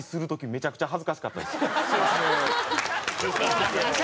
めちゃめちゃ恥ずかしかったです。